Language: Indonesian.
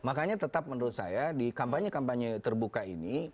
makanya tetap menurut saya di kampanye kampanye terbuka ini